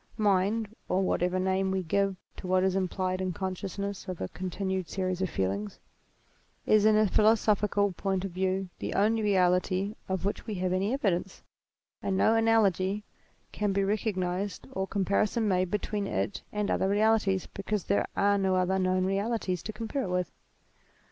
Mind, (or whatever name we give to what is implied in con sciousness of a continued series of feelings) is in a philosophical point of view the only reality of which we have any evidence ; and no analogy can be recog nized or comparison made between it and other realities because there are no other known realities to compare it with.